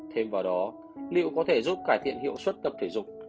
thêm vào đó liệu có thể giúp cải thiện hiệu suất tập thể dục